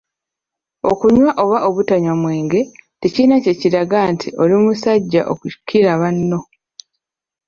Okunywa oba obutanywa mwenge tekirina kye kiraga nti oli musajja okukira banno.